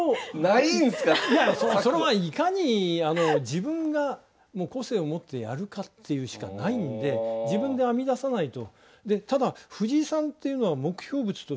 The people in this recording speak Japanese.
それはいかに自分が個性を持ってやるかっていうしかないんで自分で編み出さないと。